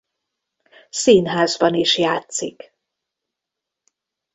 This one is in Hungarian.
Színházban is játszik.